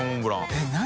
えっ何？